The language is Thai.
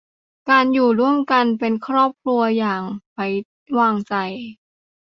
การอยู่ร่วมเป็นครอบครัวอย่างไว้วางใจ